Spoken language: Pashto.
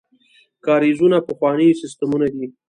کاریزونه پخواني سیستمونه دي.